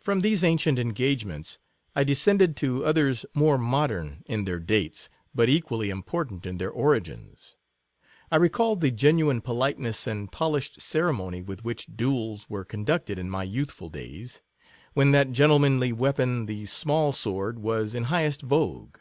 66 From these ancient engagements, I de scended to others more modern in their dates, but equally important in their origins. I re called the genuine politeness and polished ceremony with which duels were conducted in my youthful days; when that gentlemanly weapon, the smallsword, was in highest vogue.